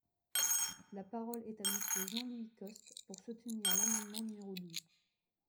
La parole est à Monsieur Jean-Louis Costes, pour soutenir l’amendement numéro douze.